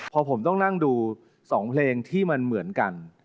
พอผมต้องนั่งดู๒เพลงที่มันเหมือนกัน